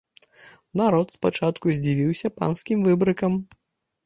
Народ спачатку здзівіўся панскім выбрыкам.